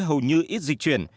hầu như ít dịch chuyển